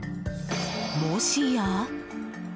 もしや？